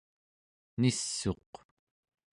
niss'uq